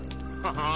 はあ？